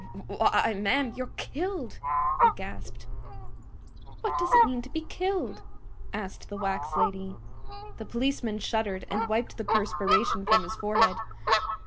"Why—why, ma'am, you're killed!" he gasped. "What does it mean to be killed?" asked the wax lady. The policeman shuddered and wiped the perspiration from his forehead.